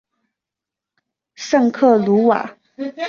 圣克鲁瓦。